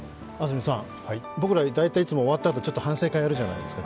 僕ら、大体いつも終わったあと反省会やるじゃないですか。